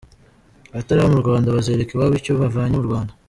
Abatari abo mu Rwanda bazereka iwabo icyo bavanye mu Rwanda.